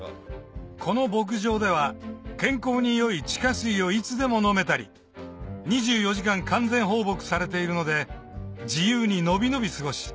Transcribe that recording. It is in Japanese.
この牧場では健康に良い地下水をいつでも飲めたり２４時間完全放牧されているので自由に伸び伸び過ごし